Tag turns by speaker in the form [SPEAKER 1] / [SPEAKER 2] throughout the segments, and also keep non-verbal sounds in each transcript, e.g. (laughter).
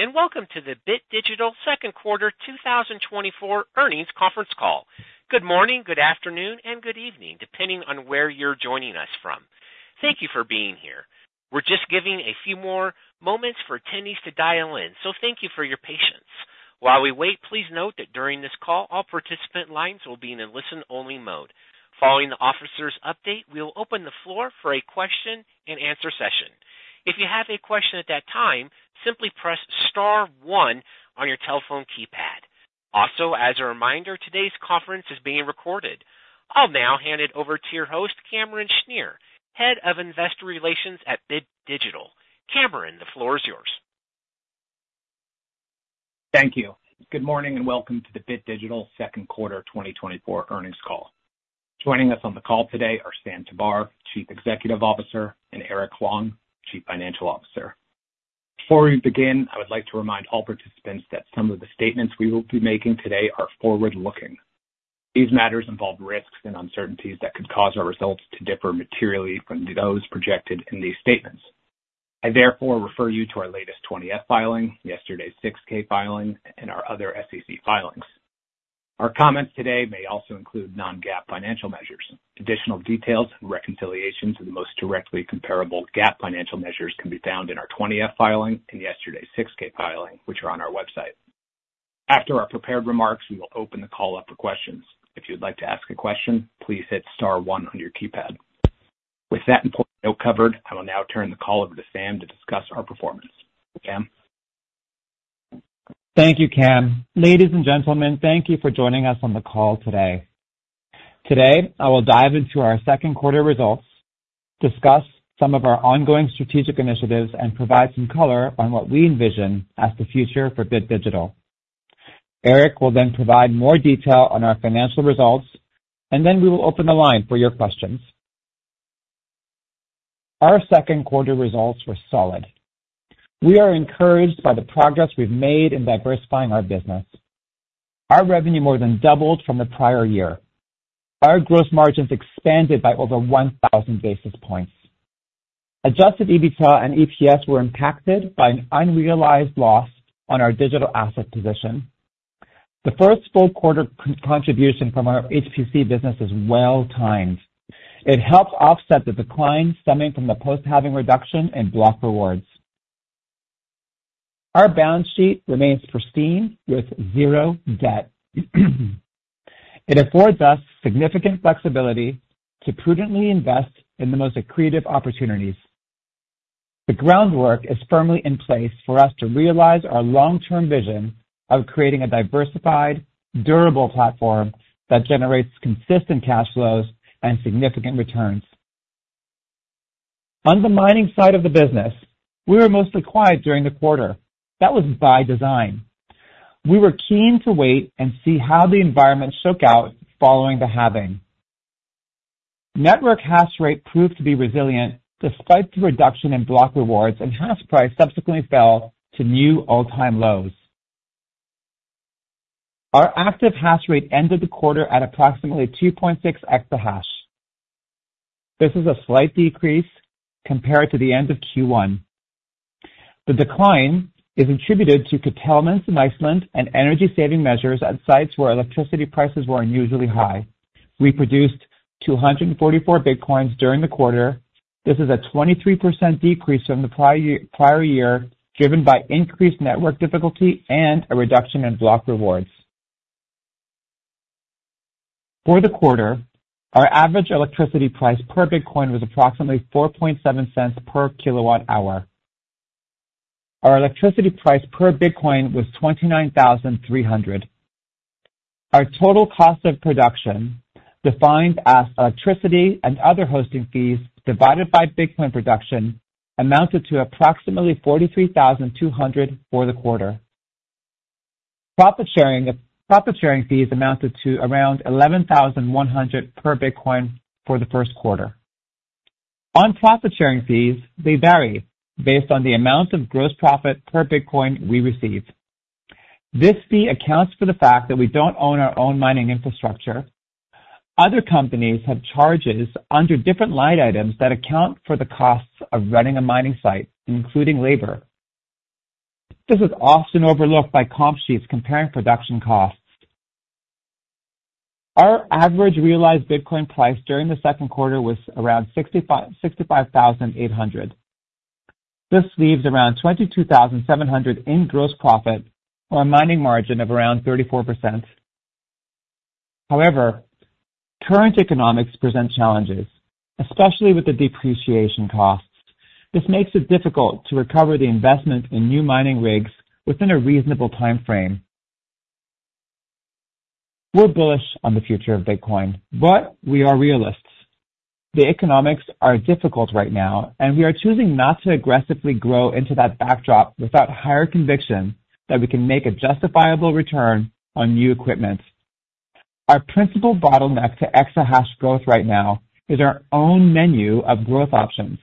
[SPEAKER 1] Hello, and Welcome to the Bit Digital Q2 2024 Earnings Conference Call. Good morning, good afternoon, and good evening, depending on where you're joining us from. Thank you for being here. We're just giving a few more moments for attendees to dial in, so thank you for your patience. While we wait, please note that during this call, all participant lines will be in a listen-only mode. Following the officers' update, we will open the floor for a question and answer session. If you have a question at that time, simply press star one on your telephone keypad. Also, as a reminder, today's conference is being recorded. I'll now hand it over to your host, Cameron Schnier, Head of Investor Relations at Bit Digital. Cameron, the floor is yours.
[SPEAKER 2] Thank you. Good morning, and welcome to the Bit Digital Q2 2024 earnings call. Joining us on the call today are Sam Tabar, Chief Executive Officer, and Eric Huang, Chief Financial Officer. Before we begin, I would like to remind all participants that some of the statements we will be making today are forward-looking. These matters involve risks and uncertainties that could cause our results to differ materially from those projected in these statements. I therefore refer you to our latest 20-F filing, yesterday's 6-K filing, and our other SEC filings. Our comments today may also include non-GAAP financial measures. Additional details and reconciliations to the most directly comparable GAAP financial measures can be found in our 20-F filing and yesterday's 6-K filing, which are on our website. After our prepared remarks, we will open the call up for questions. If you'd like to ask a question, please hit star one on your keypad. With that important note covered, I will now turn the call over to Sam to discuss our performance. Sam?
[SPEAKER 3] Thank you, Cam. Ladies and gentlemen, thank you for joining us on the call today. Today, I will dive into our Q2 results, discuss some of our ongoing strategic initiatives, and provide some color on what we envision as the future for Bit Digital. Eric will then provide more detail on our financial results, and then we will open the line for your questions. Our Q2 results were solid. We are encouraged by the progress we've made in diversifying our business. Our revenue more than doubled from the prior year. Our gross margins expanded by over one thousand basis points. Adjusted EBITDA and EPS were impacted by an unrealized loss on our digital asset position. The first full quarter contribution from our HPC business is well timed. It helped offset the decline stemming from the post-halving reduction in block rewards.
[SPEAKER 2] Our balance sheet remains pristine, with zero debt. It affords us significant flexibility to prudently invest in the most accretive opportunities. The groundwork is firmly in place for us to realize our long-term vision of creating a diversified, durable platform that generates consistent cash flows and significant returns. On the mining side of the business, we were mostly quiet during the quarter. That was by design. We were keen to wait and see how the environment shook out following the halving. Network hash rate proved to be resilient despite the reduction in block rewards, and hash price subsequently fell to new all-time lows. Our active hash rate ended the quarter at approximately 2.6 exahash. This is a slight decrease compared to the end of Q1. The decline is attributed to curtailments in Iceland and energy-saving measures at sites where electricity prices were unusually high. We produced 244 bitcoins during the quarter. This is a 23% decrease from the prior year, driven by increased network difficulty and a reduction in block rewards. For the quarter, our average electricity price per bitcoin was approximately $0.047 per kWh. Our electricity price per bitcoin was $29,300. Our total cost of production, defined as electricity and other hosting fees divided by bitcoin production, amounted to approximately $43,200 for the quarter. Profit sharing, profit sharing fees amounted to around $11,100 per bitcoin for the Q1. On profit sharing fees, they vary based on the amount of gross profit per bitcoin we receive. This fee accounts for the fact that we don't own our own mining infrastructure. Other companies have charges under different line items that account for the costs of running a mining site, including labor. This is often overlooked by comp sheets comparing production costs. Our average realized Bitcoin price during the Q2 was around $65,800. This leaves around $22,700 in gross profit, or a mining margin of around 34%. However, current economics present challenges, especially with the depreciation costs. This makes it difficult to recover the investment in new mining rigs within a reasonable timeframe. We're bullish on the future of Bitcoin, but we are realists. The economics are difficult right now, and we are choosing not to aggressively grow into that backdrop without higher conviction that we can make a justifiable return on new equipment. Our principal bottleneck to exahash growth right now is our own menu of growth options.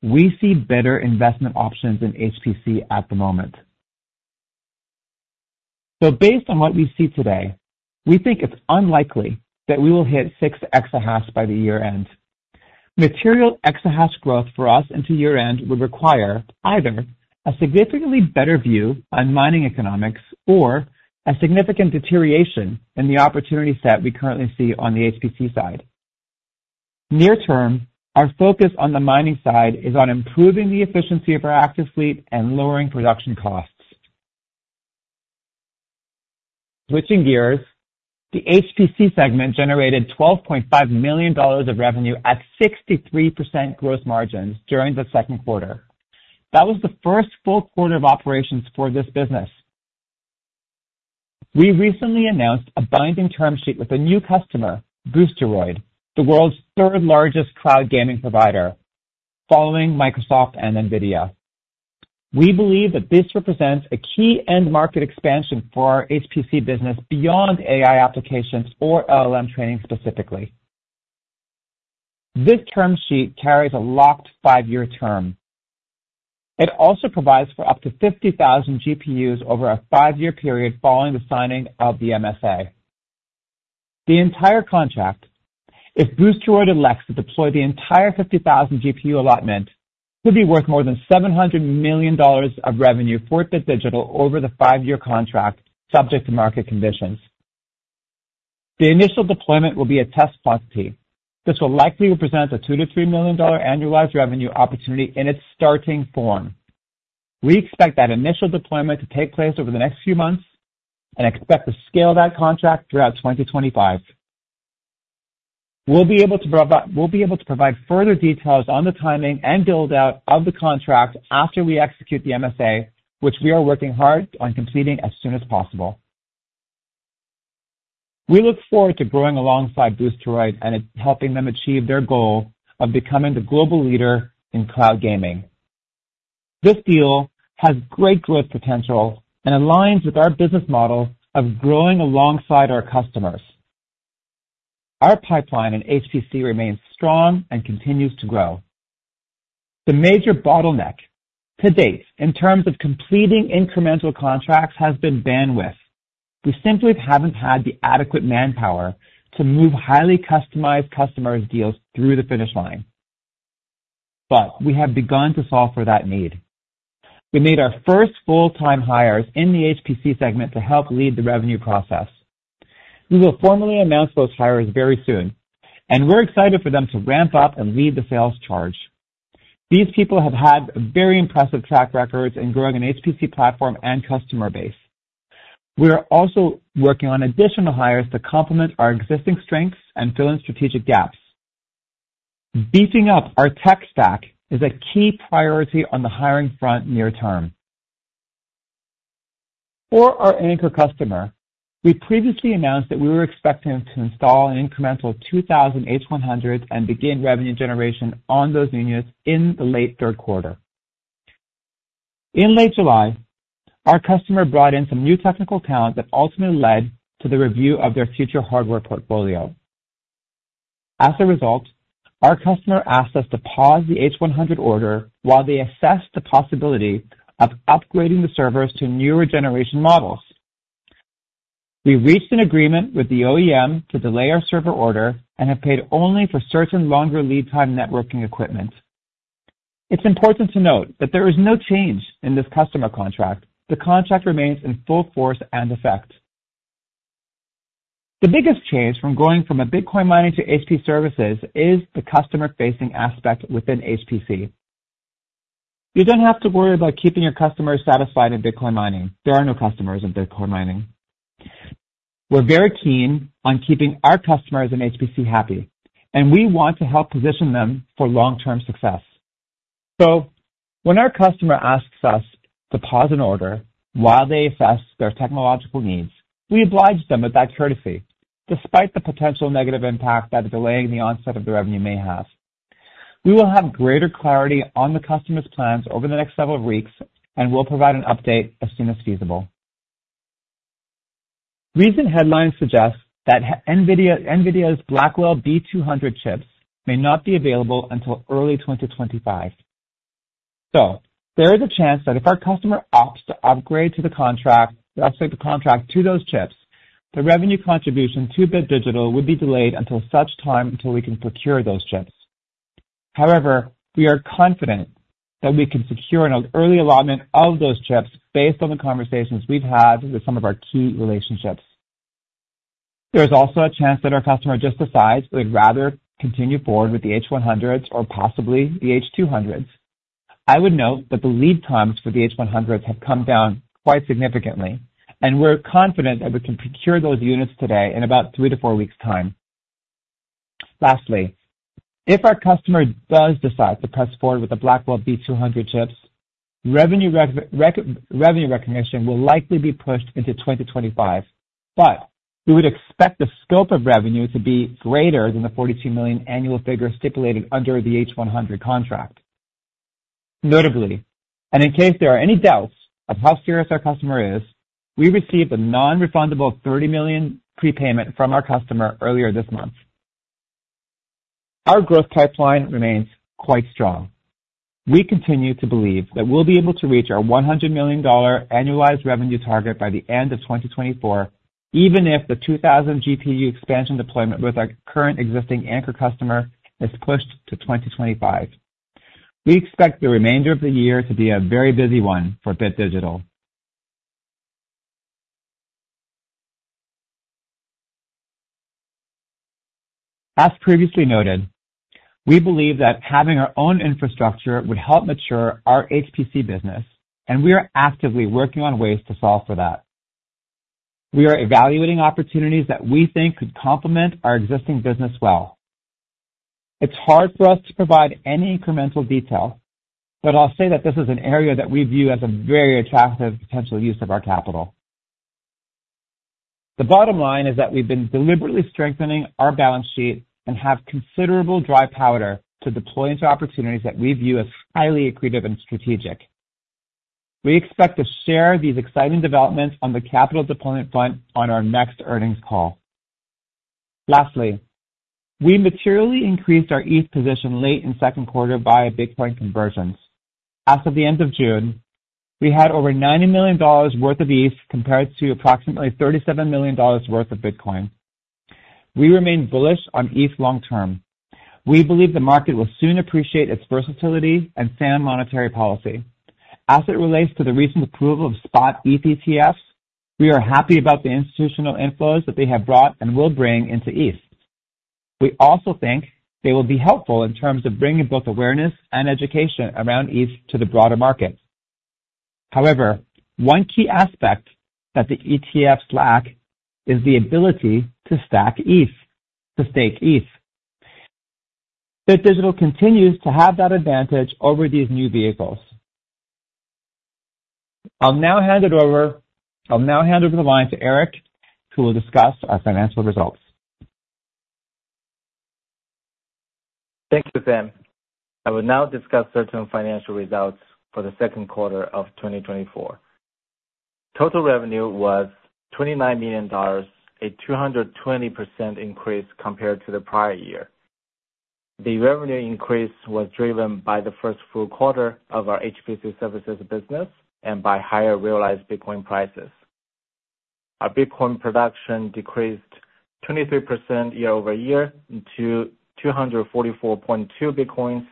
[SPEAKER 2] We see better investment options in HPC at the moment. So based on what we see today, we think it's unlikely that we will hit six exahash by the year-end. Material exahash growth for us into year-end would require either a significantly better view on mining economics or a significant deterioration in the opportunity set we currently see on the HPC side. Near term, our focus on the mining side is on improving the efficiency of our active fleet and lowering production costs. Switching gears, the HPC segment generated $12.5 million of revenue at 63% gross margins during the Q2. That was the first full quarter of operations for this business. We recently announced a binding term sheet with a new customer, Boosteroid, the world's third-largest cloud gaming provider, following Microsoft and NVIDIA. We believe that this represents a key end market expansion for our HPC business beyond AI applications or LLM training specifically. This term sheet carries a locked five-year term. It also provides for up to 50,000 GPUs over a five-year period following the signing of the MSA. The entire contract, if Boosteroid elects to deploy the entire 50,000 GPU allotment, could be worth more than $700 million of revenue for Bit Digital over the five-year contract, subject to market conditions. The initial deployment will be a test pilot team. This will likely represent a $2-$3 million annualized revenue opportunity in its starting form. We expect that initial deployment to take place over the next few months and expect to scale that contract throughout 2025. We'll be able to provide further details on the timing and build-out of the contract after we execute the MSA, which we are working hard on completing as soon as possible. We look forward to growing alongside Boosteroid and helping them achieve their goal of becoming the global leader in cloud gaming. This deal has great growth potential and aligns with our business model of growing alongside our customers. Our pipeline in HPC remains strong and continues to grow. The major bottleneck to date in terms of completing incremental contracts has been bandwidth. We simply haven't had the adequate manpower to move highly customized customers' deals through the finish line, but we have begun to solve for that need. We made our first full-time hires in the HPC segment to help lead the revenue process. We will formally announce those hires very soon, and we're excited for them to ramp up and lead the sales charge. These people have had very impressive track records in growing an HPC platform and customer base. We are also working on additional hires to complement our existing strengths and fill in strategic gaps. Beefing up our tech stack is a key priority on the hiring front near term. For our anchor customer, we previously announced that we were expecting to install an incremental 2,000 H100s and begin revenue generation on those units in the late Q3. In late July, our customer brought in some new technical talent that ultimately led to the review of their future hardware portfolio. As a result, our customer asked us to pause the H100 order while they assess the possibility of upgrading the servers to newer generation models. We reached an agreement with the OEM to delay our server order and have paid only for certain longer lead time networking equipment. It's important to note that there is no change in this customer contract. The contract remains in full force and effect. The biggest change from going from a Bitcoin mining to HPC services is the customer-facing aspect within HPC. You don't have to worry about keeping your customers satisfied in Bitcoin mining. There are no customers in Bitcoin mining. We're very keen on keeping our customers in HPC happy, and we want to help position them for long-term success. So when our customer asks us to pause an order while they assess their technological needs, we oblige them with that courtesy, despite the potential negative impact that delaying the onset of the revenue may have. We will have greater clarity on the customer's plans over the next several weeks, and we'll provide an update as soon as feasible. Recent headlines suggest that NVIDIA's Blackwell B200 chips may not be available until early 2025. So there is a chance that if our customer opts to upgrade to the contract, to update the contract to those chips, the revenue contribution to Bit Digital would be delayed until such time we can procure those chips. However, we are confident that we can secure an early allotment of those chips based on the conversations we've had with some of our key relationships. There is also a chance that our customer just decides they'd rather continue forward with the H100s or possibly the H200s. I would note that the lead times for the H100s have come down quite significantly, and we're confident that we can procure those units today in about three-to-four weeks' time. Lastly, if our customer does decide to press forward with the Blackwell B200 chips, revenue recognition will likely be pushed into 2025, but we would expect the scope of revenue to be greater than the $42 million annual figure stipulated under the H100 contract. Notably, and in case there are any doubts of how serious our customer is, we received a non-refundable $30 million prepayment from our customer earlier this month. Our growth pipeline remains quite strong. We continue to believe that we'll be able to reach our $100 million annualized revenue target by the end of 2024, even if the 2,000 GPU expansion deployment with our current existing anchor customer is pushed to 2025. We expect the remainder of the year to be a very busy one for Bit Digital. As previously noted, we believe that having our own infrastructure would help mature our HPC business, and we are actively working on ways to solve for that. We are evaluating opportunities that we think could complement our existing business well. It's hard for us to provide any incremental detail, but I'll say that this is an area that we view as a very attractive potential use of our capital. The bottom line is that we've been deliberately strengthening our balance sheet and have considerable dry powder to deploy into opportunities that we view as highly accretive and strategic. We expect to share these exciting developments on the capital deployment front on our next earnings call. Lastly, we materially increased our ETH position late in Q2 by Bitcoin conversions. As of the end of June, we had over $90 million worth of ETH, compared to approximately $37 million worth of Bitcoin. We remain bullish on ETH long term. We believe the market will soon appreciate its versatility and sound monetary policy. As it relates to the recent approval of spot ETH ETFs, we are happy about the institutional inflows that they have brought and will bring into ETH. We also think they will be helpful in terms of bringing both awareness and education around ETH to the broader market. However, one key aspect that the ETFs lack is the ability to stack ETH, to stake ETH. Bit Digital continues to have that advantage over these new vehicles. I'll now hand over the line to Eric, who will discuss our financial results.
[SPEAKER 4] Thank you, Sam. I will now discuss certain financial results for the Q2 of 2024. Total revenue was $29 million, a 220% increase compared to the prior year. The revenue increase was driven by the first full quarter of our HPC services business and by higher realized Bitcoin prices. Our Bitcoin production decreased 23% year-over-year to 244.2 Bitcoins.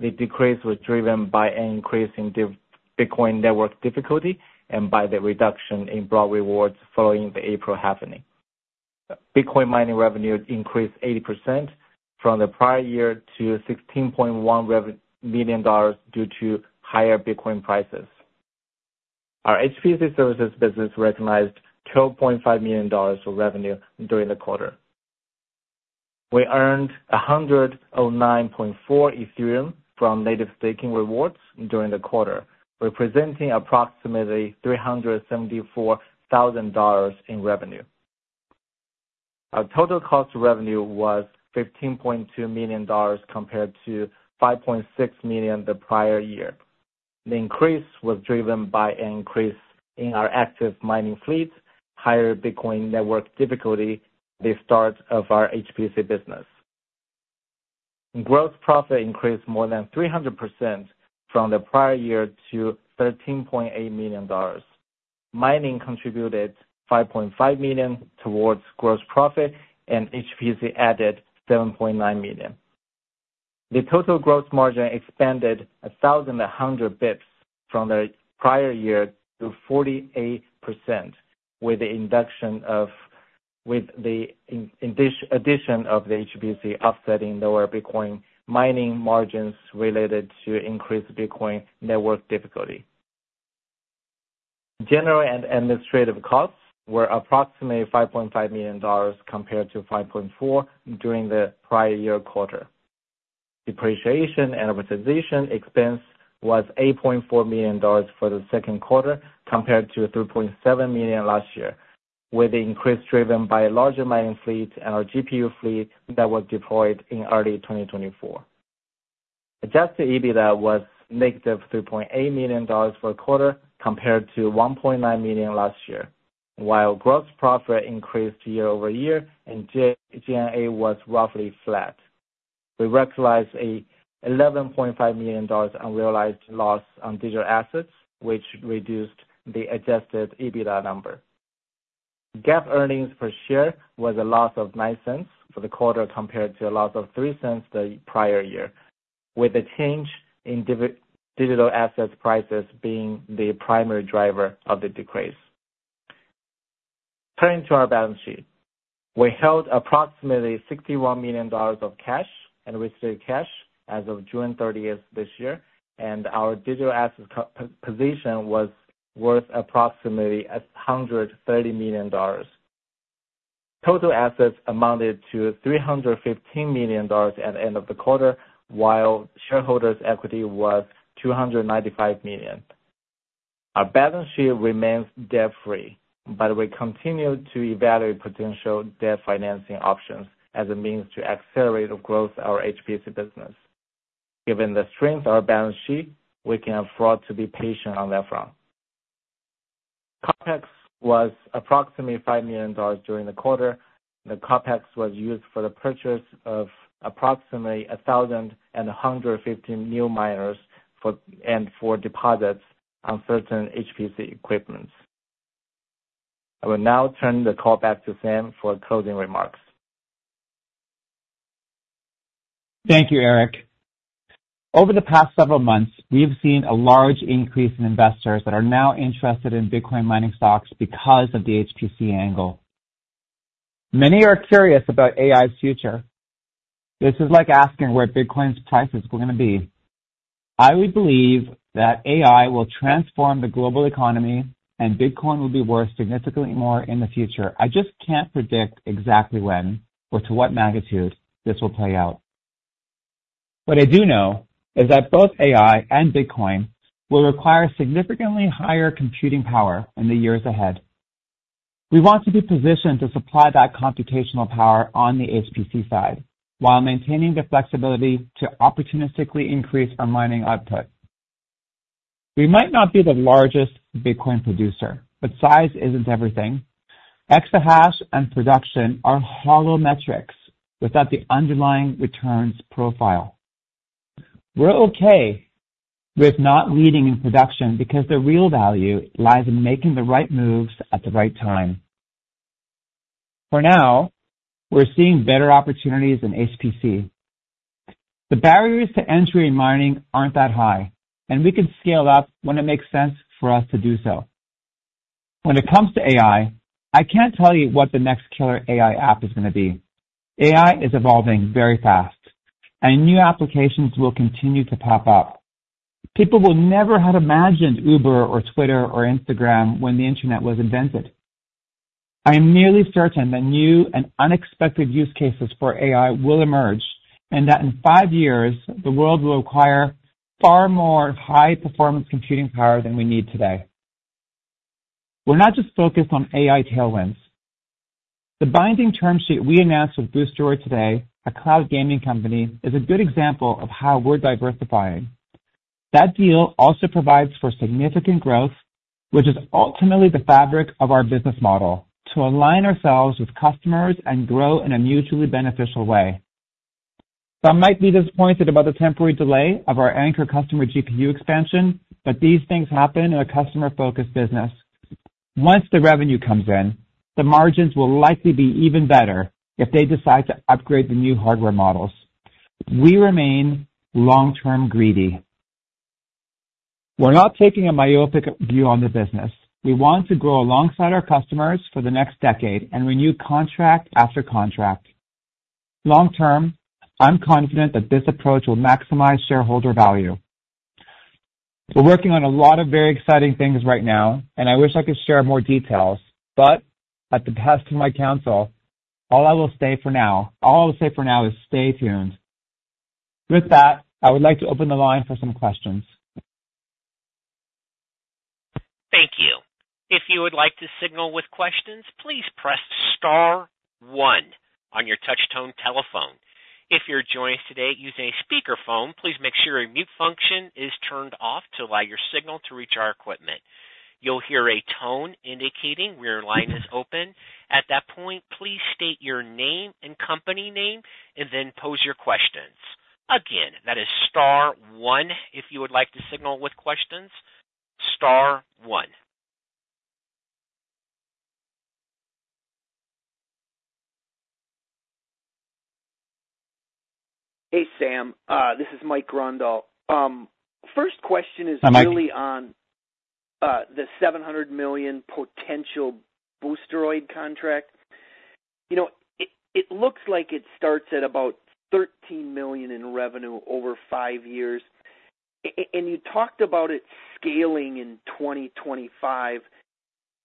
[SPEAKER 4] The decrease was driven by an increase in the Bitcoin network difficulty and by the reduction in block rewards following the April halving. Bitcoin mining revenue increased 80% from the prior year to $16.1 million due to higher Bitcoin prices. Our HPC services business recognized $12.5 million of revenue during the quarter.
[SPEAKER 2] We earned 109.4 Ethereum from native staking rewards during the quarter, representing approximately $374,000 in revenue. Our total cost of revenue was $15.2 million, compared to $5.6 million the prior year. The increase was driven by an increase in our active mining fleet, higher Bitcoin network difficulty, the start of our HPC business. Gross profit increased more than 300% from the prior year to $13.8 million. Mining contributed $5.5 million towards gross profit, and HPC added $7.9 million. The total gross margin expanded 1,100 basis points from the prior year to 48%, with the addition of the HPC offsetting lower Bitcoin mining margins related to increased Bitcoin network difficulty. General and administrative costs were approximately $5.5 million, compared to $5.4 million during the prior year quarter. Depreciation and amortization expense was $8.4 million for the Q2, compared to $3.7 million last year, with the increase driven by a larger mining fleet and our GPU fleet that was deployed in early 2024. Adjusted EBITDA was -$3.8 million for the quarter, compared to $1.9 million last year, while gross profit increased year-over-year and G&A was roughly flat. We recognized an $11.5 million unrealized loss on digital assets, which reduced the adjusted EBITDA number. GAAP earnings per share was a loss of $0.09 for the quarter, compared to a loss of $0.03 the prior year, with a change in digital assets prices being the primary driver of the decrease. Turning to our balance sheet. We held approximately $61 million of cash and restricted cash as of June 30 this year, and our digital assets position was worth approximately $130 million. Total assets amounted to $315 million at the end of the quarter, while shareholders' equity was $295 million. Our balance sheet remains debt-free, but we continue to evaluate potential debt financing options as a means to accelerate the growth of our HPC business. Given the strength of our balance sheet, we can afford to be patient on that front. CapEx was approximately $5 million during the quarter. The CapEx was used for the purchase of approximately 1,115 new miners and for deposits on certain HPC equipment. I will now turn the call back to Sam for closing remarks.
[SPEAKER 3] Thank you, Eric. Over the past several months, we've seen a large increase in investors that are now interested in Bitcoin mining stocks because of the HPC angle. Many are curious about AI's future. This is like asking where Bitcoin's prices are going to be. I would believe that AI will transform the global economy and Bitcoin will be worth significantly more in the future. I just can't predict exactly when or to what magnitude this will play out. What I do know is that both AI and Bitcoin will require significantly higher computing power in the years ahead. We want to be positioned to supply that computational power on the HPC side, while maintaining the flexibility to opportunistically increase our mining output. We might not be the largest Bitcoin producer, but size isn't everything. Exahash and production are hollow metrics without the underlying returns profile.
[SPEAKER 2] We're okay with not leading in production because the real value lies in making the right moves at the right time. For now, we're seeing better opportunities in HPC. The barriers to entry in mining aren't that high, and we can scale up when it makes sense for us to do so. When it comes to AI, I can't tell you what the next killer AI app is going to be. AI is evolving very fast, and new applications will continue to pop up. People will never have imagined Uber or Twitter or Instagram when the internet was invented. I am nearly certain that new and unexpected use cases for AI will emerge, and that in five years, the world will require far more high-performance computing power than we need today. We're not just focused on AI tailwinds. The binding term sheet we announced with Boosteroid today, a cloud gaming company, is a good example of how we're diversifying. That deal also provides for significant growth, which is ultimately the fabric of our business model, to align ourselves with customers and grow in a mutually beneficial way. Some might be disappointed about the temporary delay of our anchor customer GPU expansion, but these things happen in a customer-focused business. Once the revenue comes in, the margins will likely be even better if they decide to upgrade the new hardware models. We remain long-term greedy. We're not taking a myopic view on the business. We want to grow alongside our customers for the next decade and renew contract after contract. Long term, I'm confident that this approach will maximize shareholder value. We're working on a lot of very exciting things right now, and I wish I could share more details, but at the behest of my counsel, all I will say for now, all I will say for now is stay tuned. With that, I would like to open the line for some questions.
[SPEAKER 1] Thank you. If you would like to signal with questions, please press star one on your touch tone telephone. If you're joining us today using a speakerphone, please make sure your mute function is turned off to allow your signal to reach our equipment. You'll hear a tone indicating where your line is open. At that point, please state your name and company name and then pose your questions. Again, that is star one if you would like to signal with questions, star one.
[SPEAKER 5] Hey, Sam, this is Mike Grondahl. First question is really on the $700 million potential Boosteroid contract. You know, it looks like it starts at about $13 million in revenue over five years, and you talked about it scaling in 2025.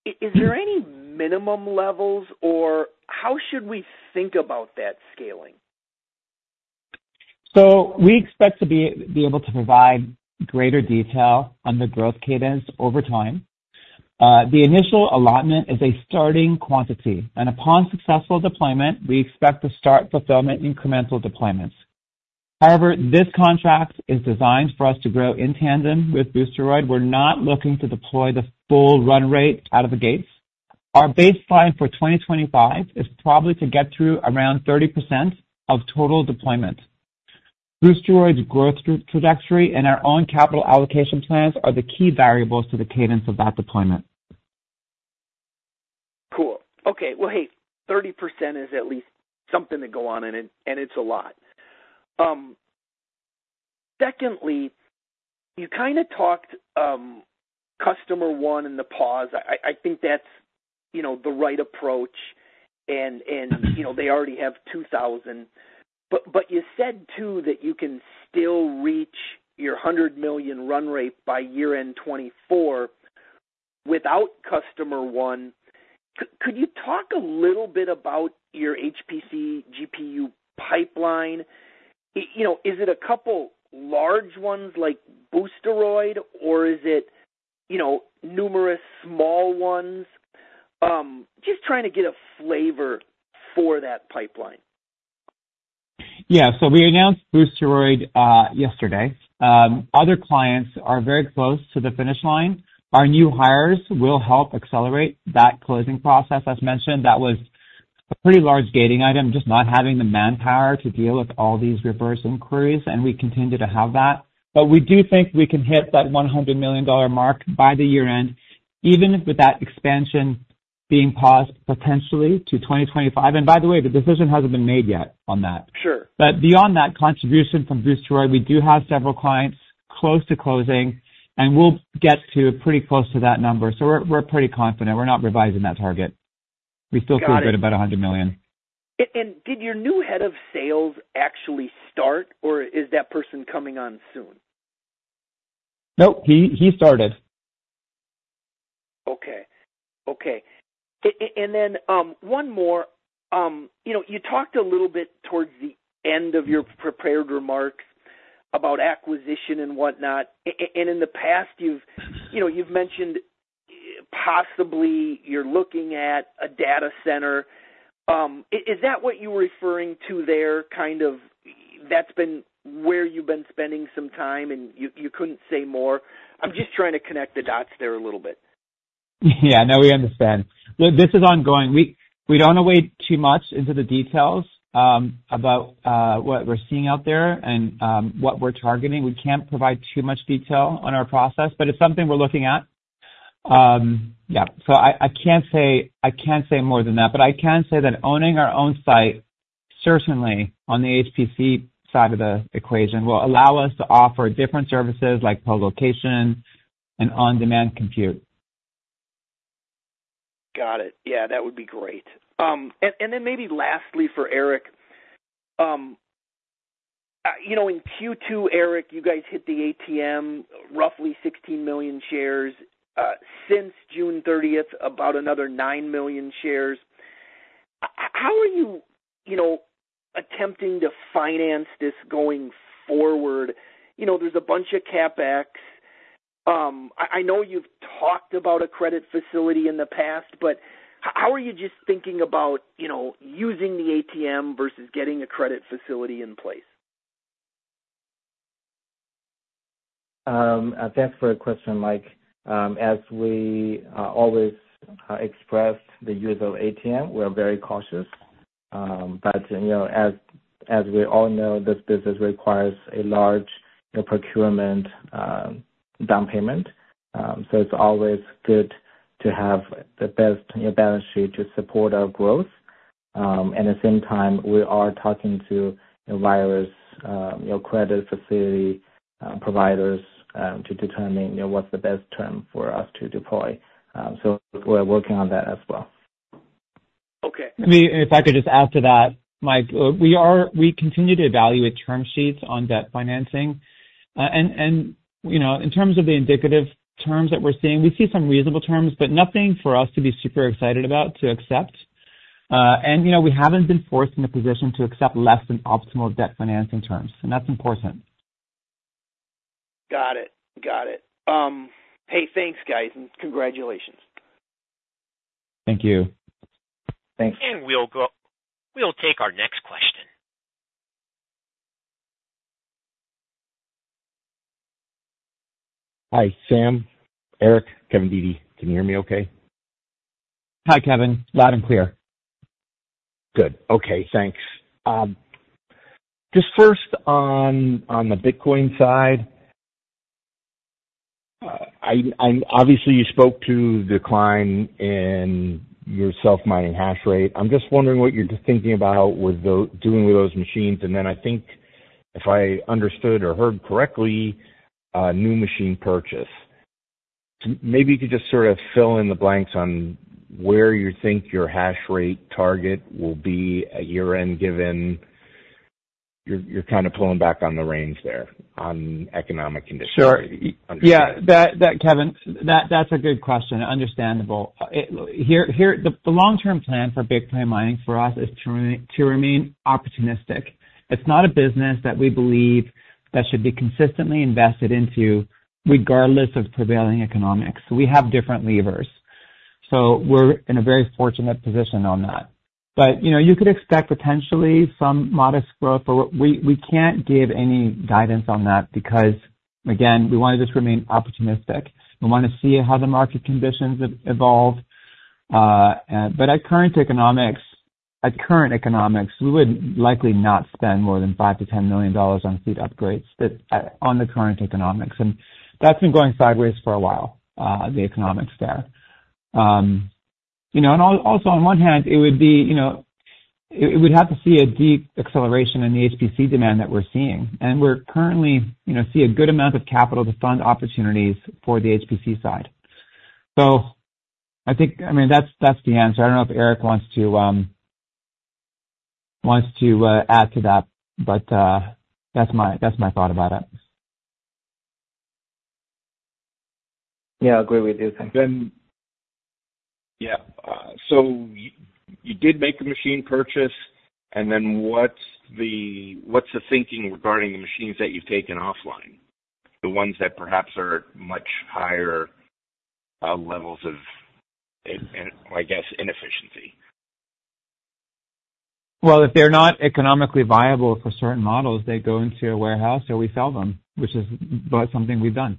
[SPEAKER 5] Is there any minimum levels, or how should we think about that scaling?
[SPEAKER 3] So we expect to be able to provide greater detail on the growth cadence over time. The initial allotment is a starting quantity, and upon successful deployment, we expect to start fulfillment incremental deployments. However, this contract is designed for us to grow in tandem with Boosteroid. We're not looking to deploy the full run rate out of the gates. Our baseline for 2025 is probably to get through around 30% of total deployments. Boosteroid's growth trajectory and our own capital allocation plans are the key variables to the cadence of that deployment.
[SPEAKER 5] Cool. Okay, well, hey, 30% is at least something to go on, and it, and it's a lot. Secondly, you kind of talked customer one and the pause. I think that's, you know, the right approach, and, and, you know, they already have 2,000. But you said too, that you can still reach your $100 million run rate by year-end 2024 without customer one. Could you talk a little bit about your HPC GPU pipeline? You know, is it a couple large ones like Boosteroid, or is it, you know, numerous small ones? Just trying to get a flavor for that pipeline.
[SPEAKER 3] Yeah, so we announced Boosteroid yesterday. Other clients are very close to the finish line. Our new hires will help accelerate that closing process. As mentioned, that was a pretty large gating item, just not having the manpower to deal with all these reverse inquiries, and we continue to have that. But we do think we can hit that $100 million mark by the year end, even with that expansion being paused potentially to 2025. And by the way, the decision hasn't been made yet on that.
[SPEAKER 5] Sure.
[SPEAKER 3] But beyond that contribution from Boosteroid, we do have several clients close to closing, and we'll get to pretty close to that number. So we're pretty confident we're not revising that target.
[SPEAKER 5] Got it.
[SPEAKER 3] We still feel good about $100 million.
[SPEAKER 5] Did your new head of sales actually start, or is that person coming on soon?
[SPEAKER 3] Nope, he started.
[SPEAKER 5] Okay. And then, one more. You know, you talked a little bit towards the end of your prepared remarks about acquisition and whatnot. And in the past, you've, you know, you've mentioned possibly you're looking at a data center. Is that what you were referring to there, kind of that's been where you've been spending some time, and you couldn't say more? I'm just trying to connect the dots there a little bit.
[SPEAKER 3] Yeah. No, we understand. Look, this is ongoing. We don't want to wade too much into the details about what we're seeing out there and what we're targeting. We can't provide too much detail on our process, but it's something we're looking at. Yeah, so I can't say more than that, but I can say that owning our own site, certainly on the HPC side of the equation, will allow us to offer different services like co-location and on-demand compute.
[SPEAKER 5] Got it. Yeah, that would be great. And then maybe lastly for Eric, you know, in Q2, Eric, you guys hit the ATM, roughly 16 million shares. Since 30 June 2024, about another nine million shares. How are you, you know, attempting to finance this going forward? You know, there's a bunch of CapEx. I know you've talked about a credit facility in the past, but how are you just thinking about, you know, using the ATM versus getting a credit facility in place?
[SPEAKER 4] Thanks for the question, Mike. As we always express the use of ATM, we're very cautious, but you know, as we all know, this business requires a large procurement down payment, so it's always good to have the best balance sheet to support our growth. At the same time, we are talking to various you know, credit facility providers to determine, you know, what's the best term for us to deploy, so we're working on that as well.
[SPEAKER 5] Okay.
[SPEAKER 3] If I could just add to that, Mike, we continue to evaluate term sheets on debt financing. And, you know, in terms of the indicative terms that we're seeing, we see some reasonable terms, but nothing for us to be super excited about to accept. And, you know, we haven't been forced in a position to accept less than optimal debt financing terms, and that's important.
[SPEAKER 5] Got it. Got it. Hey, thanks, guys, and congratulations.
[SPEAKER 4] Thank you.
[SPEAKER 3] Thanks.
[SPEAKER 1] And we'll take our next question.
[SPEAKER 6] Hi, Sam, Eric, Kevin Dede. Can you hear me okay?
[SPEAKER 3] Hi, Kevin. Loud and clear.
[SPEAKER 6] Good. Okay. Thanks. Just first on the Bitcoin side, I'm obviously, you spoke to the decline in your self-mining hash rate. I'm just wondering what you're thinking about with those machines. And then I think if I understood or heard correctly, new machine purchase. Maybe you could just sort of fill in the blanks on where you think your hash rate target will be at year-end, given you're kind of pulling back on the reins there on economic conditions.
[SPEAKER 3] Sure.
[SPEAKER 6] Yeah.
[SPEAKER 3] Kevin, that's a good question. Understandable. The long-term plan for Bitcoin mining for us is to remain opportunistic. It's not a business that we believe that should be consistently invested into, regardless of prevailing economics. We have different levers. So we're in a very fortunate position on that. But, you know, you could expect potentially some modest growth, but we can't give any guidance on that because, again, we want to just remain opportunistic. We want to see how the market conditions evolve. But at current economics, we would likely not spend more than $5 million-$10 million on fleet upgrades, on the current economics, and that's been going sideways for a while, the economics there.
[SPEAKER 2] You know, and also, on one hand, it would be, you know, it would have to see a deep acceleration in the HPC demand that we're seeing. And we're currently, you know, see a good amount of capital to fund opportunities for the HPC side. So I think, I mean, that's the answer. I don't know if Eric wants to add to that, but that's my thought about it.
[SPEAKER 4] Yeah, I agree with you.
[SPEAKER 6] You did make a machine purchase, and what's the thinking regarding the machines that you've taken offline, the ones that perhaps are much higher levels of, I guess, inefficiency?
[SPEAKER 3] If they're not economically viable for certain models, they go into a warehouse, or we sell them, which is but something we've done.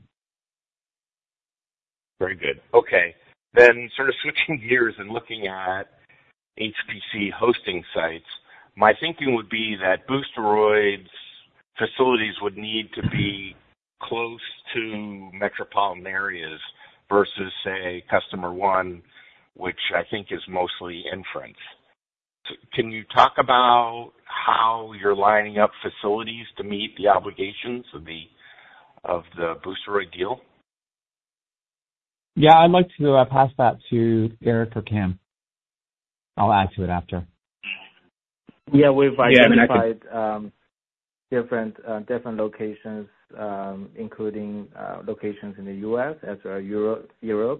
[SPEAKER 6] Very good. Okay, then sort of switching gears and looking at HPC hosting sites, my thinking would be that Boosteroid's facilities would need to be close to metropolitan areas versus, say, Customer One, which I think is mostly inference. Can you talk about how you're lining up facilities to meet the obligations of the Boosteroid deal?
[SPEAKER 3] Yeah, I'd like to pass that to Eric or Cam. I'll add to it after.
[SPEAKER 4] Yeah, we've identified different locations, including locations in the U.S. as well as Europe,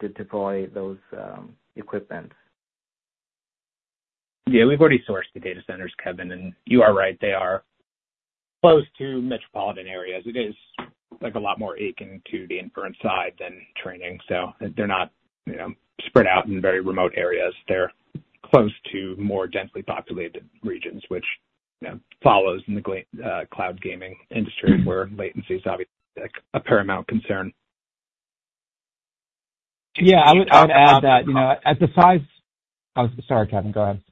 [SPEAKER 4] to deploy those equipment.
[SPEAKER 2] Yeah, we've already sourced the data centers, Kevin, and you are right. They are close to metropolitan areas. It is, like, a lot more akin to the inference side than training, so they're not, you know, spread out in very remote areas. They're close to more densely populated regions, which, you know, follows in the cloud gaming industry, where latency is obviously a paramount concern.
[SPEAKER 3] Yeah, I'd add that, you know, at the size, Oh, sorry, Kevin. Go ahead.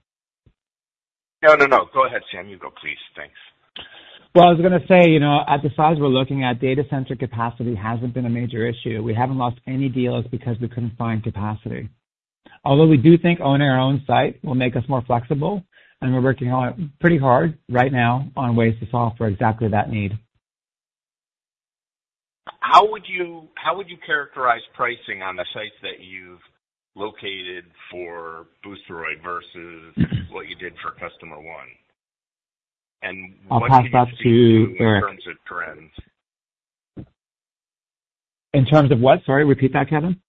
[SPEAKER 6] No, no, no, go ahead, Sam. You go, please. Thanks.
[SPEAKER 3] I was gonna say, you know, at the size we're looking at, data center capacity hasn't been a major issue. We haven't lost any deals because we couldn't find capacity. Although we do think owning our own site will make us more flexible, and we're working on it pretty hard right now on ways to solve for exactly that need.
[SPEAKER 6] How would you characterize pricing on the sites that you've located for Boosteroid versus what you did for Customer One, and what- (crosstalk)
[SPEAKER 3] I'll pass that to Eric.
[SPEAKER 6] in terms of trends?
[SPEAKER 3] In terms of what? Sorry, repeat that, Kevin.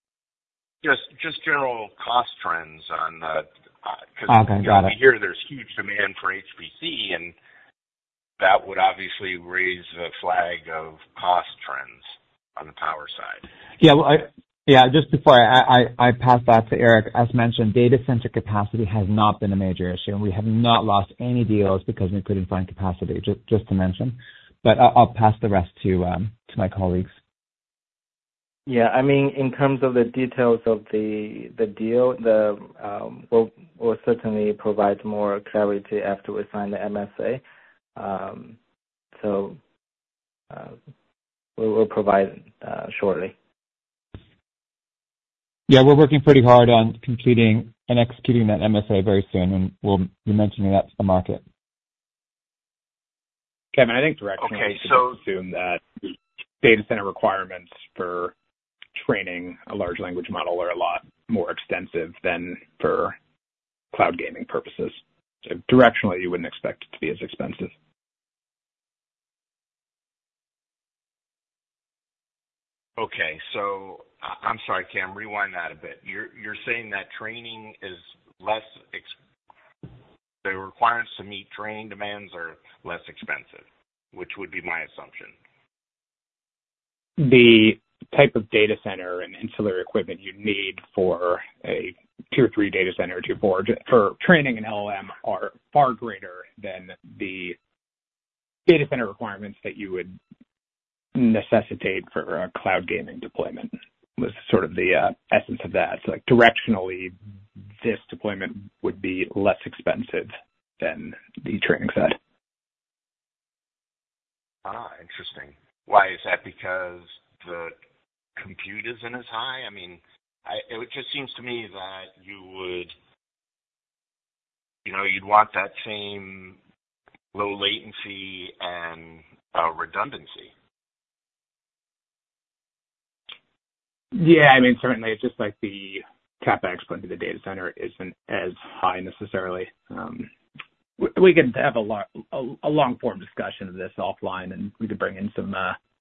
[SPEAKER 6] Just general cost trends on the.
[SPEAKER 3] Okay, got it.
[SPEAKER 6] 'Cause we hear there's huge demand for HPC, and that would obviously raise a flag of cost trends on the power side.
[SPEAKER 3] Yeah, well, just before I pass back to Eric, as mentioned, data center capacity has not been a major issue, and we have not lost any deals because we couldn't find capacity, just to mention. But I'll pass the rest to my colleagues.
[SPEAKER 4] Yeah, I mean, in terms of the details of the deal, we'll certainly provide more clarity after we sign the MSA. So, we will provide shortly.
[SPEAKER 3] Yeah, we're working pretty hard on completing and executing that MSA very soon, and we'll be mentioning that to the market.
[SPEAKER 2] Kevin, I think directionally- (crosstalk)
[SPEAKER 6] Okay, so-
[SPEAKER 2] You can assume that data center requirements for training a large language model are a lot more extensive than for cloud gaming purposes. So directionally, you wouldn't expect it to be as expensive.
[SPEAKER 6] Okay, so I'm sorry, Cam. Rewind that a bit. You're saying the requirements to meet training demands are less expensive, which would be my assumption.
[SPEAKER 2] The type of data center and ancillary equipment you'd need for a Tier 3 data center, Tier 4, for training an LLM, are far greater than the data center requirements that you would necessitate for a cloud gaming deployment, was sort of the essence of that. So, like, directionally, this deployment would be less expensive than the training side.
[SPEAKER 6] Interesting. Why, is that because the compute isn't as high? I mean, it just seems to me that you would, you know, you'd want that same low latency and redundancy.
[SPEAKER 2] Yeah, I mean, certainly, it's just like the CapEx into the data center isn't as high necessarily. We could have a long, a long-form discussion of this offline, and we could bring in some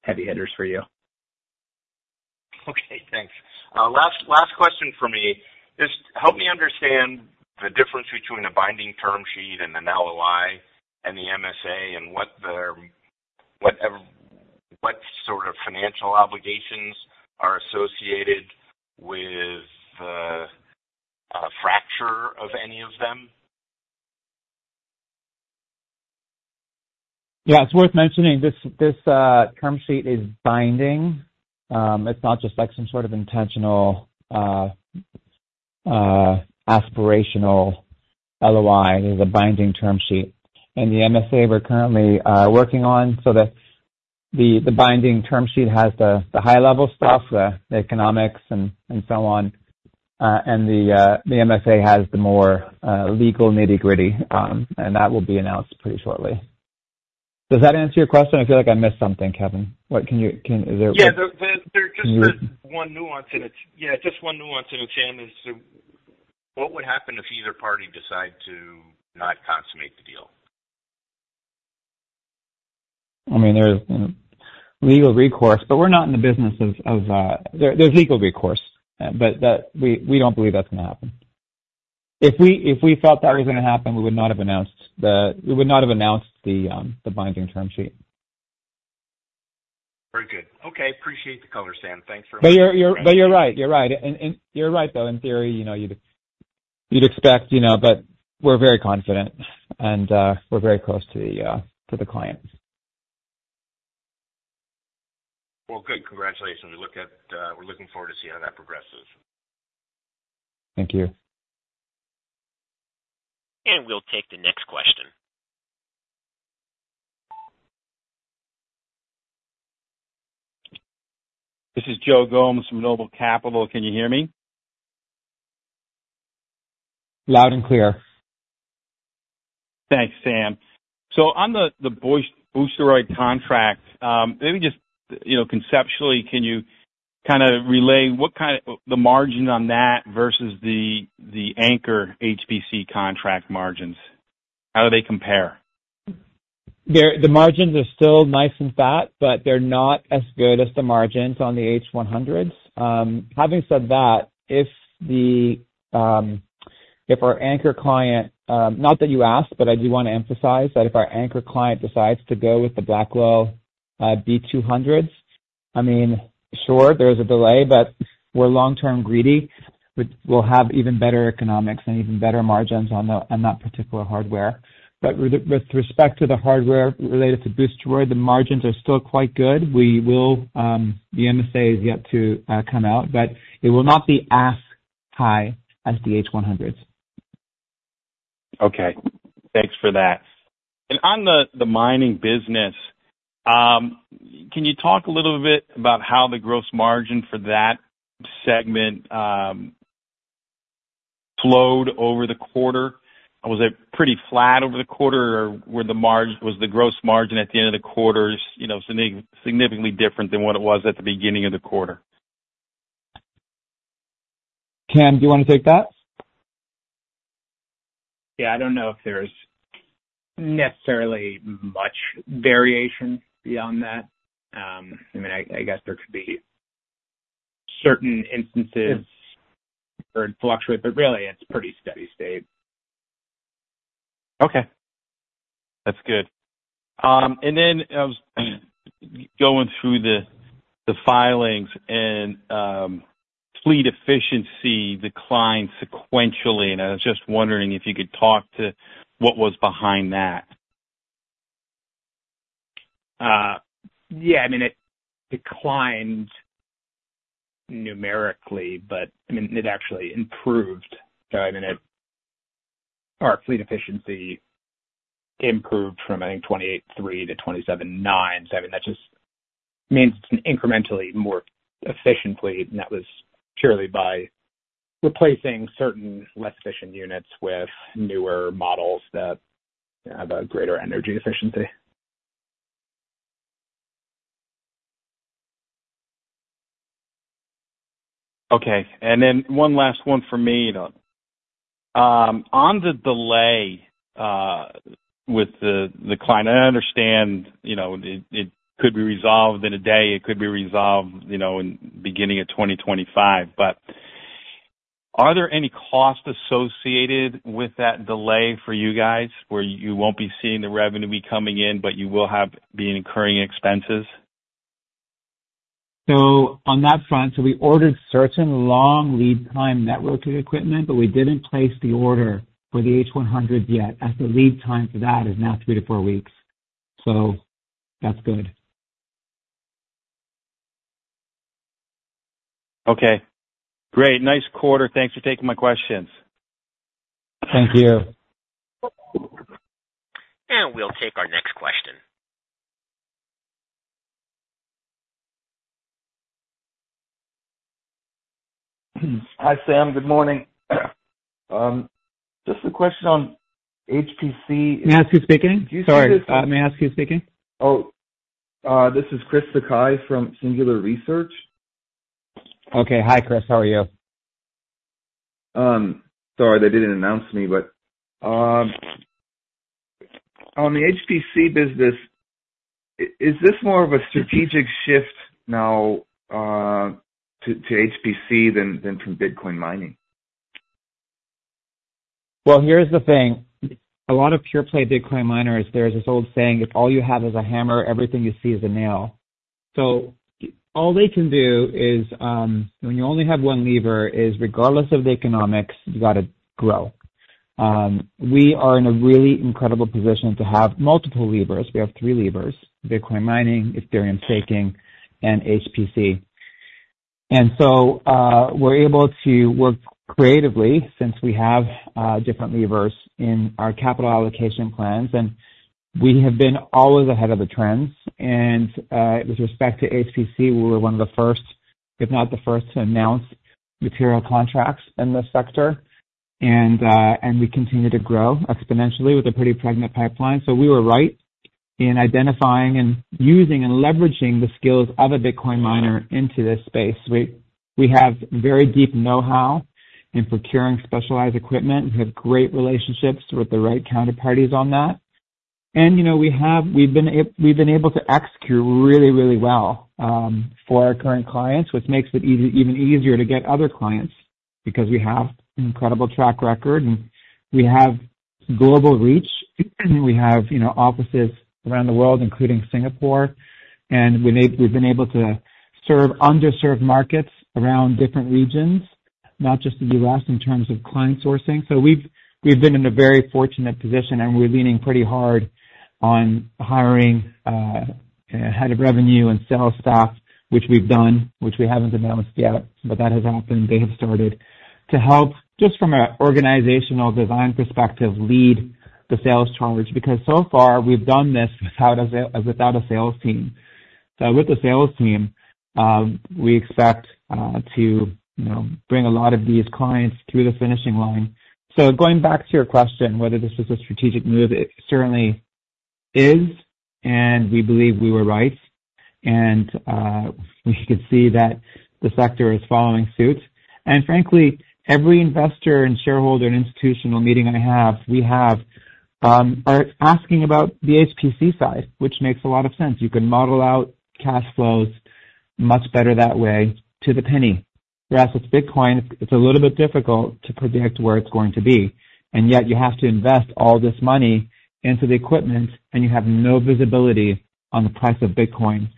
[SPEAKER 2] heavy hitters for you.
[SPEAKER 6] Okay, thanks. Last question for me is, help me understand the difference between a binding term sheet and an LOI and the MSA, and what sort of financial obligations are associated with the breach of any of them?
[SPEAKER 3] Yeah, it's worth mentioning, this term sheet is binding. It's not just like some sort of intentional aspirational LOI. It is a binding term sheet, and the MSA we're currently working on. So the binding term sheet has the high-level stuff, the economics and so on, and the MSA has the more legal nitty-gritty, and that will be announced pretty shortly. Does that answer your question? I feel like I missed something, Kevin. What, can you, can, is there- (crosstalk)
[SPEAKER 6] Yeah, there's just one nuance in it. Yeah, just one nuance, and it, Sam, is, what would happen if either party decide to not consummate the deal?
[SPEAKER 3] I mean, there's legal recourse, but we're not in the business of. There's legal recourse, but we don't believe that's gonna happen. If we felt that was going to happen, we would not have announced the binding term sheet.
[SPEAKER 7] Very good. Okay, appreciate the color, Sam. Thanks very much.
[SPEAKER 3] But you're right. And you're right, though, in theory, you know, you'd expect, you know, but we're very confident, and we're very close to the client.
[SPEAKER 7] Well, good. Congratulations. We look at, we're looking forward to seeing how that progresses.
[SPEAKER 3] Thank you.
[SPEAKER 1] We'll take the next question.
[SPEAKER 8] This is Joe Gomes from Noble Capital. Can you hear me?
[SPEAKER 3] Loud and clear.
[SPEAKER 8] Thanks, Sam. So on the Boosteroid contract, maybe just, you know, conceptually, can you kind of relay what kind of the margin on that versus the Anchor HPC contract margins? How do they compare?
[SPEAKER 3] They're. The margins are still nice and fat, but they're not as good as the margins on the H100s. Having said that, if our anchor client decides to go with the Blackwell B200s, I mean, sure, there's a delay, but we're long-term greedy. We'll have even better economics and even better margins on that particular hardware. But with respect to the hardware related to Boosteroid, the margins are still quite good. We will. The MSA is yet to come out, but it will not be as high as the H100s.
[SPEAKER 8] Okay. Thanks for that. And on the mining business, can you talk a little bit about how the gross margin for that segment flowed over the quarter? Was it pretty flat over the quarter, or was the gross margin at the end of the quarter, you know, significantly different than what it was at the beginning of the quarter?
[SPEAKER 3] Cam, do you want to take that?
[SPEAKER 2] Yeah, I don't know if there's necessarily much variation beyond that. I mean, I guess there could be certain instances or fluctuate, but really it's pretty steady state.
[SPEAKER 8] Okay. That's good. And then I was going through the filings and fleet efficiency declined sequentially, and I was just wondering if you could talk to what was behind that.
[SPEAKER 2] Yeah, I mean, it declined numerically, but, I mean, it actually improved. I mean, it. Our fleet efficiency improved from, I think, 28.3 to 27.9. So I mean, that just means it's an incrementally more efficient fleet, and that was purely by replacing certain less efficient units with newer models that have a greater energy efficiency.
[SPEAKER 8] Okay. And then one last one for me, though. On the delay with the client, and I understand, you know, it could be resolved in a day, it could be resolved, you know, in beginning of 2025, but are there any costs associated with that delay for you guys, where you won't be seeing the revenue coming in, but you will have to be incurring expenses?
[SPEAKER 3] On that front, we ordered certain long lead time networking equipment, but we didn't place the order for the H100 yet, as the lead time for that is now three to four weeks. That's good.
[SPEAKER 8] Okay, great. Nice quarter. Thanks for taking my questions.
[SPEAKER 3] Thank you.
[SPEAKER 1] We'll take our next question.
[SPEAKER 7] Hi, Sam. Good morning. Just a question on HPC.
[SPEAKER 3] May I ask who's speaking? Sorry, may I ask who's speaking?
[SPEAKER 7] Oh, this is Chris Sakai from Singular Research.
[SPEAKER 3] Okay. Hi, Chris, how are you?
[SPEAKER 7] Sorry, they didn't announce me, but on the HPC business, is this more of a strategic shift now to HPC than from Bitcoin mining?
[SPEAKER 3] Here's the thing, a lot of pure play Bitcoin miners, there's this old saying, "If all you have is a hammer, everything you see is a nail." So all they can do is, when you only have one lever, is regardless of the economics, you got to grow. We are in a really incredible position to have multiple levers. We have three levers, Bitcoin mining, Ethereum staking, and HPC. And so, we're able to work creatively since we have, different levers in our capital allocation plans. And we have been always ahead of the trends. And, with respect to HPC, we were one of the first, if not the first, to announce material contracts in this sector. And we continue to grow exponentially with a pretty pregnant pipeline.
[SPEAKER 2] So we were right in identifying and using and leveraging the skills of a Bitcoin miner into this space. We have very deep know-how in procuring specialized equipment. We have great relationships with the right counterparties on that. And, you know, we have, we've been able to execute really, really well, for our current clients, which makes it easy, even easier to get other clients because we have an incredible track record, and we have global reach. And we have, you know, offices around the world, including Singapore, and we've been able to serve underserved markets around different regions, not just the U.S., in terms of client sourcing. So we've been in a very fortunate position, and we're leaning pretty hard on hiring head of revenue and sales staff, which we've done, which we haven't announced yet, but that has happened. They have started to help, just from an organizational design perspective, lead the sales charge. Because so far we've done this without a sale, without a sales team. With the sales team, we expect to, you know, bring a lot of these clients to the finishing line. Going back to your question, whether this is a strategic move, it certainly is, and we believe we were right. We could see that the sector is following suit. Frankly, every investor and shareholder and institutional meeting I have, we have, are asking about the HPC side, which makes a lot of sense. You can model out cash flows much better that way to the penny. Whereas with Bitcoin, it's a little bit difficult to predict where it's going to be, and yet you have to invest all this money into the equipment, and you have no visibility on the price of Bitcoin.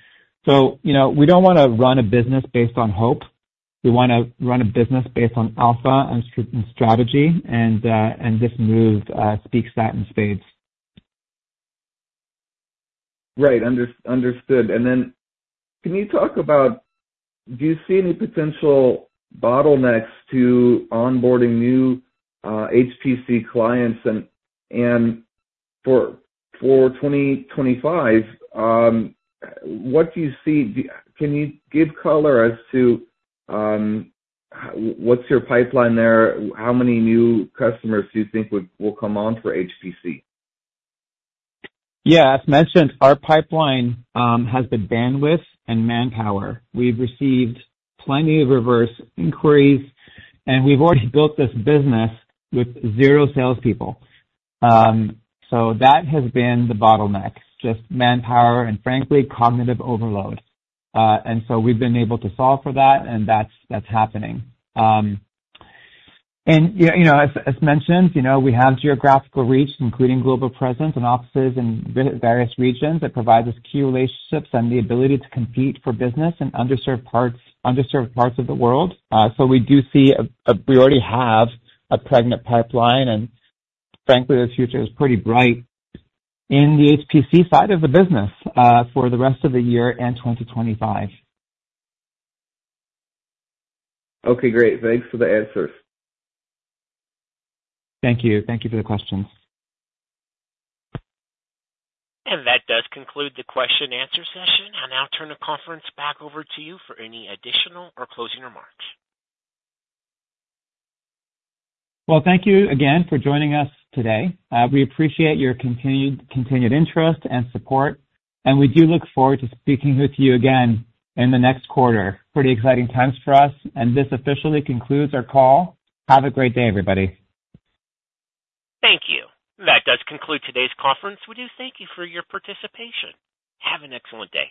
[SPEAKER 2] So, you know, we don't wanna run a business based on hope. We wanna run a business based on alpha and strategy, and this move speaks that in spades.
[SPEAKER 7] Right. Understood. And then can you talk about, do you see any potential bottlenecks to onboarding new HPC clients? And for 2025, what do you see? Can you give color as to how? What's your pipeline there? How many new customers do you think will come on for HPC?
[SPEAKER 3] Yeah, as mentioned, our pipeline has the bandwidth and manpower. We've received plenty of reverse inquiries, and we've already built this business with zero salespeople. So that has been the bottleneck, just manpower and frankly, cognitive overload. And so we've been able to solve for that, and that's happening. And yeah, you know, as mentioned, you know, we have geographical reach, including global presence and offices in various regions. It provides us key relationships and the ability to compete for business in underserved parts of the world. So we do see. We already have a pregnant pipeline, and frankly, the future is pretty bright in the HPC side of the business, for the rest of the year and 2025.
[SPEAKER 7] Okay, great. Thanks for the answers.
[SPEAKER 3] Thank you. Thank you for the questions.
[SPEAKER 1] And that does conclude the question and answer session. I'll now turn the conference back over to you for any additional or closing remarks.
[SPEAKER 3] Thank you again for joining us today. We appreciate your continued interest and support, and we do look forward to speaking with you again in the next quarter. Pretty exciting times for us, and this officially concludes our call. Have a great day, everybody.
[SPEAKER 1] Thank you. That does conclude today's conference. We do thank you for your participation. Have an excellent day.